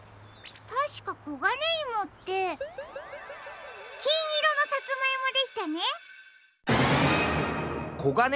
たしかコガネイモってきんいろのサツマイモでしたね。